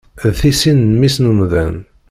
D tisin n Mmi-s n umdan.